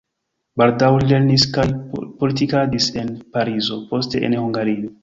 Baldaŭ li lernis kaj politikadis en Parizo, poste en Hungario.